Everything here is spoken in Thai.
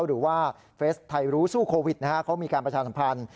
หรือว่าเฟสไทยรู้สู้โควิดนะฮะเขามีการประชาสัมพันธ์